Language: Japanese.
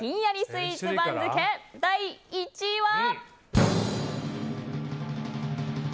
スイーツ番付第１位は。